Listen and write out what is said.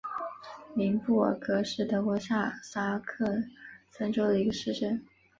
宁布尔格是德国下萨克森州的一个市镇。